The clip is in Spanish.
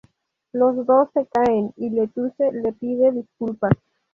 Las dos se caen y Lettuce le pide disculpas.